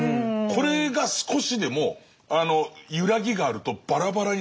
これが少しでも揺らぎがあるとバラバラになると思うんです。